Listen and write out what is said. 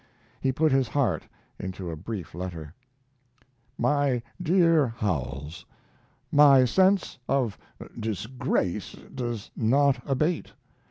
He put his heart into a brief letter: MY DEAR HOWELLS, My sense of disgrace does not abate.